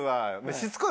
しつこい